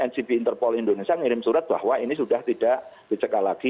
ncb interpol indonesia ngirim surat bahwa ini sudah tidak dicekal lagi